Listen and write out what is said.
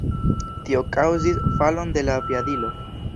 Tio kaŭzis falon de la aviadilo.